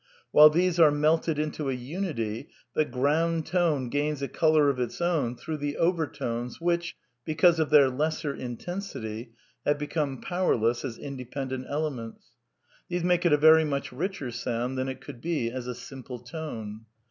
While these are melted into a unity, the ground tone gains a colour of its own through the overtones which, because of their lesser intensity, have become powerless as independent elements ; these make it a very much richer sound than it could be as a simple tone.